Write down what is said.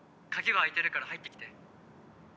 鍵は開いてるから入ってきて」